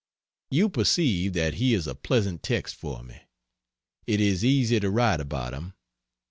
You perceive that he is a pleasant text for me. It is easy to write about him.